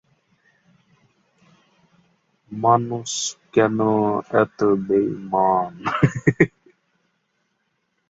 এছাড়াও, দলের প্রয়োজনে মাঝে-মধ্যে উইকেট-রক্ষকের ভূমিকায় অবতীর্ণ হতেন।